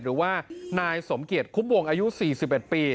หรือว่านายสมเกียจคุ้มวงอายุ๔๑ปี